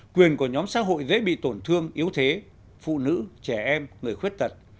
quyền của nhóm xã hội dễ bị tổn thương yếu thế phụ nữ trẻ em người khuyết tật